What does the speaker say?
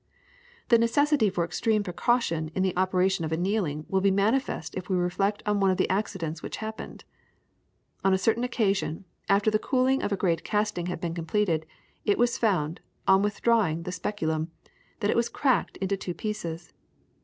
The necessity for extreme precaution in the operation of annealing will be manifest if we reflect on one of the accidents which happened. On a certain occasion, after the cooling of a great casting had been completed, it was found, on withdrawing the speculum, that it was cracked into two pieces.